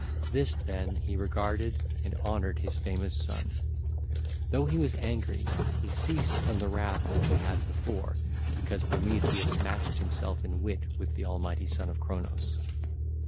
This, then, he regarded, and honoured his famous son; though he was angry, he ceased from the wrath which he had before because Prometheus matched himself in wit with the almighty son of Cronos.